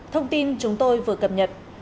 thông tin chúng tôi vừa cập nhật